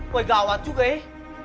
woi ga awet juga eh